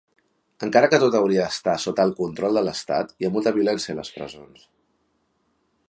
Encara que tot hauria d'estar sota el control de l'estat, hi ha molta violència a les presons.